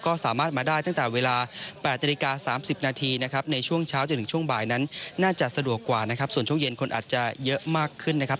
ก็สามารถมาได้ตั้งแต่เวลา๘นาฬิกา๓๐นาทีนะครับในช่วงเช้าจนถึงช่วงบ่ายนั้นน่าจะสะดวกกว่านะครับส่วนช่วงเย็นคนอาจจะเยอะมากขึ้นนะครับ